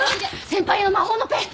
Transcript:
先輩の魔法のペン。